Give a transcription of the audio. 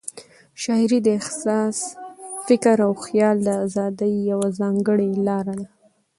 شاعري د احساس، فکر او خیال د آزادۍ یوه ځانګړې لار ده.